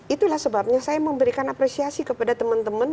itulah sebabnya saya memberikan apresiasi kepada teman teman